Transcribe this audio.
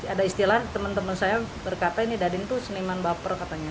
ada istilah teman teman saya berkata ini dadin itu seniman baper katanya